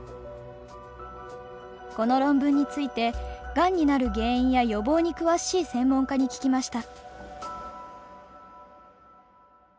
この論文についてがんになる原因や予防に詳しい専門家に聞きました。